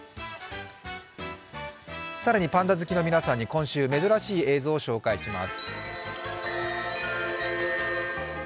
更に、パンダ好きの皆さんに今週、珍しい映像を御紹介します。